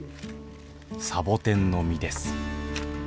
サボテンの実です